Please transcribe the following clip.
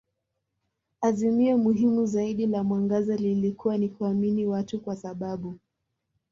Azimio muhimu zaidi la mwangaza lilikuwa ni kuamini watu kwa sababu.